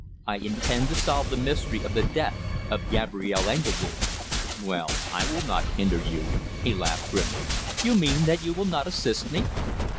I intend to solve the mystery of the death of Gabrielle Engledue." "Well I will not hinder you," he laughed grimly. "You mean that you will not assist me?"